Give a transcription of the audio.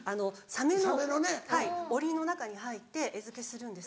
サメのおりの中に入って餌付けするんです。